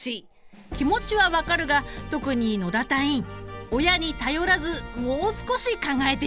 気持ちは分かるが特に野田隊員親に頼らずもう少し考えてみてくれ。